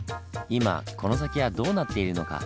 今この先はどうなっているのか？